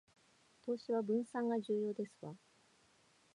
投資は分散が重要ですわ